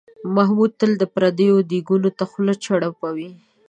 محمود تل پردیو دیګونو ته خوله چړپوي.